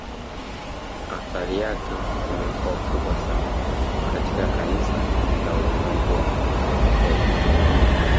Athari yake imekuwa kubwa sana katika kanisa na Ulimwengu kwa jumla